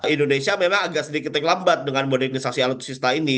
indonesia memang agak sedikit terlambat dengan modernisasi alutsista ini